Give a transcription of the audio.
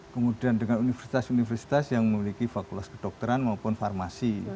kemudian dengan universitas universitas yang memiliki fakultas kedokteran maupun farmasi